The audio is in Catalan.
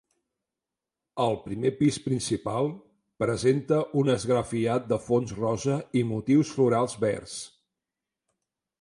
El primer pis, principal, presenta un esgrafiat de fons rosa i motius florals verds.